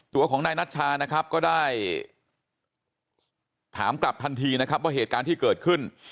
ตัวของนายนัชชานะครับก็ได้ถามกลับทันทีนะครับว่าเหตุการณ์ที่เกิดขึ้น